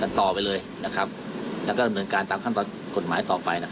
กันต่อไปเลยและก็ดำเนินการตามขั้นต่อกฎหมายต่อไป